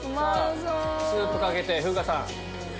スープかけて風花さん。